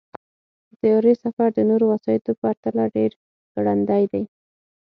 د طیارې سفر د نورو وسایطو پرتله ډېر ګړندی دی.